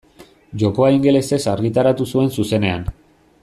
Jokoa ingelesez argitaratu zuen zuzenean.